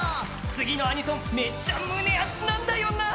次のアニソン、めっちゃ胸熱なんだよな